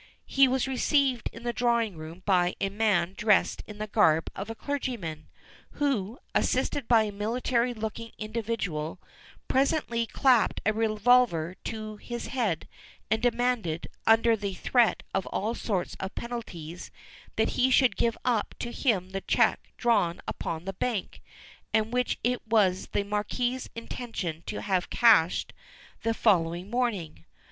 He was received in the drawing room by a man dressed in the garb of a clergyman, who, assisted by a military looking individual, presently clapped a revolver to his head and demanded, under the threat of all sorts of penalties, that he should give up to him the cheque drawn upon the bank, and which it was the Marquis's intention to have cashed the following morning.